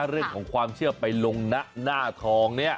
เรื่องของความเชื่อไปลงหน้าทองเนี่ย